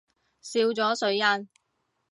笑咗水印